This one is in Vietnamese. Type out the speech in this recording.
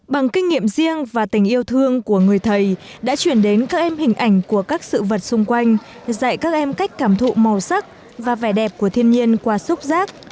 bằng kinh nghiệm riêng và tình yêu thương của người thầy đã chuyển đến các em hình ảnh của các sự vật xung quanh dạy các em cách cảm thụ màu sắc và vẻ đẹp của thiên nhiên qua xúc giác